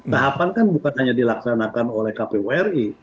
tahapan kan bukan hanya dilaksanakan oleh kpu ri